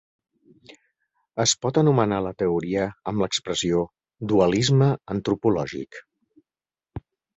Es pot anomenar la teoria amb l'expressió «dualisme antropològic».